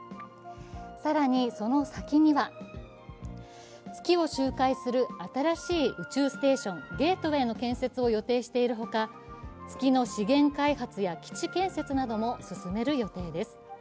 更にその先には、月を周回する新しい宇宙ステーション、ゲートウェイの建設を予定しているほか月の資源開発や基地建設なども進める予定です。